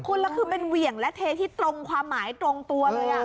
คุณแล้วคือเป็นเหวี่ยงและเทที่ตรงความหมายตรงตัวเลย